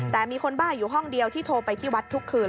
แต่มีคนบ้าอยู่ห้องเดียวที่โทรไปที่วัดทุกคืน